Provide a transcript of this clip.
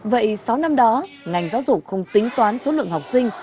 vậy sáu năm đó ngành giáo dục không tính toán số lượng học sinh